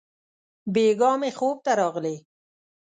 بېګاه مي خوب ته راغلې!